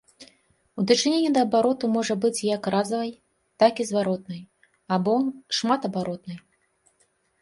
У дачыненні да абароту можа быць як разавай, так і зваротнай або шматабаротнай.